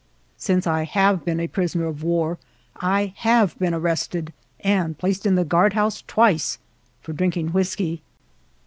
( Since I have been a prisoner of war I have been arrested and placed in the guardhouse twice for drinking whisky.)